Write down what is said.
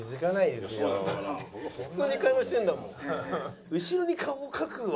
だって普通に会話してるんだもん。